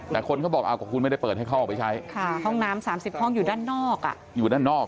แต่คนเขาบอกเอาก็คุณไม่ได้เปิดให้เข้าออกไปใช้ค่ะห้องน้ำสามสิบห้องอยู่ด้านนอกอ่ะ